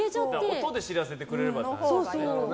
音で知らせてくれればね。